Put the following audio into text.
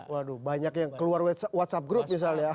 waduh banyak yang keluar whatsapp group misalnya